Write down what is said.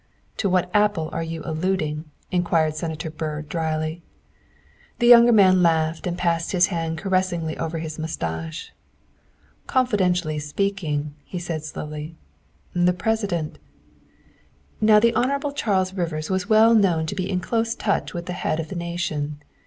'' To what apple are you alluding ?'' inquired Senator Byrd dryly. The younger man laughed and passed his hand caressingly over his mustache. " Confidentially speaking," he said slowly, " the President " Now the Hon. Charles Rivers was well known to be in close touch with the head of the nation.